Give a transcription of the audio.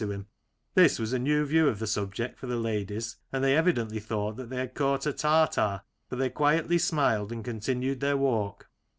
121 to him," This was a new view of the subject for the ladies, and they evidently thought they had caught a tartar, for they quietly smiled and continued their walk.